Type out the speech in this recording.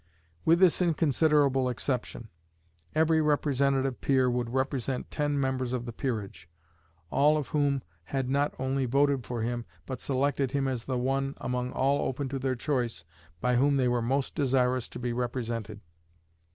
With this inconsiderable exception, every representative peer would represent ten members of the peerage, all of whom had not only voted for him, but selected him as the one, among all open to their choice, by whom they were most desirous to be represented.